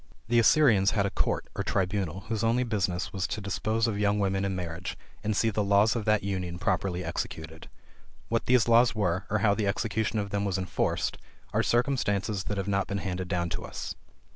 The Assyrians had a court, or tribunal whose only business was to dispose of young women in marriage, and see the laws of that union properly executed. What these laws were, or how the execution of them was enforced, are circumstances that have not been handed down to us.